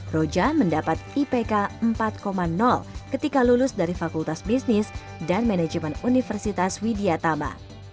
roja mendapat ipk empat ketika lulus dari fakultas bisnis dan manajemen universitas widyatama